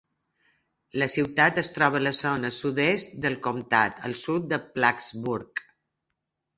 La ciutat es troba a la zona sud-est del comtat, al sud de Plattsburgh.